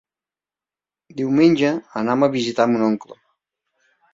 Diumenge anam a visitar mon oncle.